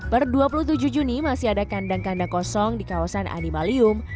per dua puluh tujuh juni masih ada kandang kandang kosong di kawasan animalium